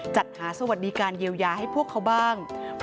จัดหาสวัสดิการเยียวยาให้พวกเขาบ้าง